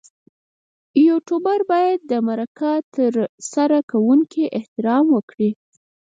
یوټوبر باید د مرکه ترسره کوونکي احترام وکړي.